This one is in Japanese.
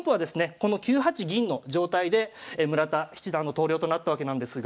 この９八銀の状態で村田七段の投了となったわけなんですが。